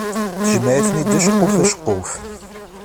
Tejmeɛ-iten-d aceqquf aceqquf.